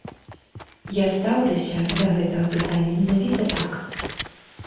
Я стаўлюся да гэтага пытання менавіта так.